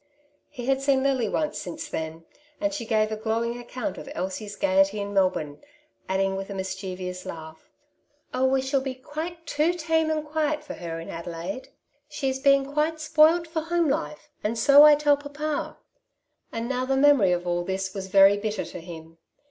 He had seen Lily once since then, and she gave a glowing account of Elsie's gaiety in Melbourne; adding with a mischievous laugh, ^' Oh, we shall be quite too tame and quiet for her in Adelaide. Arthur Deltds Side of tJie Question. 73 She is being quite spoilt for home life^ and so I tell papa/^ And now the memory of all this was very bitter to him.